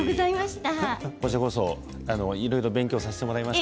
こちらこそいろいろ勉強させていただきました。